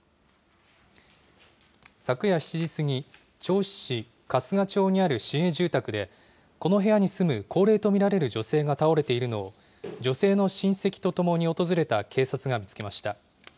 昨夜７時過ぎ、銚子市春日町にある市営住宅で、この部屋に住む高齢と見られる女性が倒れているのを女性の親戚と共に訪れた警察が見つけました。